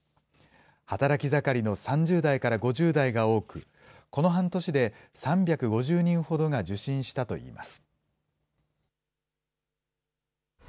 働き盛りの３０代から５０代が多く、この半年で、３５０人ほどが受診したといいます。